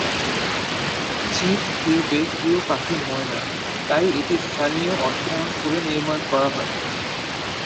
Chief হুইপের প্রিয় পাখি ময়না—তাই এটি স্থানীয়ভাবে অর্থায়ন করে নির্মাণ করা হয়।